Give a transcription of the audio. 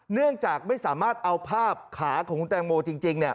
เนื่องจากไม่สามารถเอาภาพขาของคุณแตงโมจริง